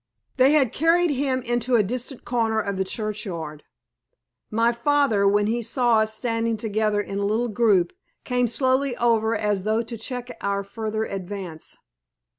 They had carried him into a distant corner of the churchyard. My father, when he saw us standing together in a little group, came slowly over as though to check our further advance.